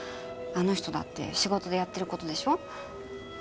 あの人だって仕事でやってることでしょ？